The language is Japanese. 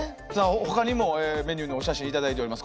ほかにもメニューのお写真頂いております